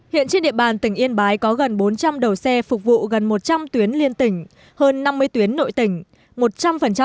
hiện trên địa bàn tỉnh yên bái có gần bốn trăm linh đầu xe phục vụ gần một trăm linh tuyến liên tỉnh hơn năm mươi tuyến nội tỉnh